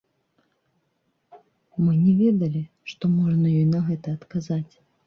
Мы не ведалі, што можна ёй на гэта адказаць.